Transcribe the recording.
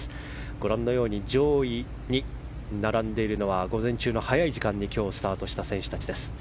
ご覧のように上位に並んでいるのは午前中の早い時間にスタートした選手たちです。